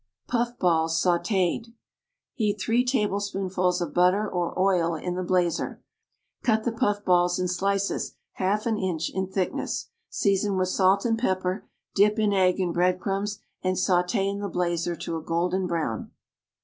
=Puff balls Sautéd.= Heat three tablespoonfuls of butter or oil in the blazer. Cut the puff balls in slices half an inch in thickness, season with salt and pepper, dip in egg and bread crumbs, and sauté in the blazer to a golden brown.